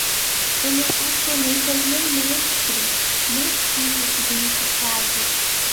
Eu me apaixonei pelo meu mestre, não tive o significado.